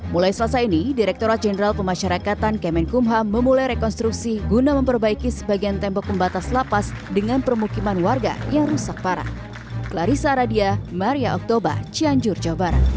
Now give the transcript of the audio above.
mulai selasa ini direkturat jenderal pemasyarakatan kemenkumham memulai rekonstruksi guna memperbaiki sebagian tembok pembatas lapas dengan permukiman warga yang rusak parah